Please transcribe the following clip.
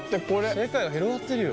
世界が広がってるよ。